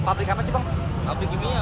pabrik apa sih bang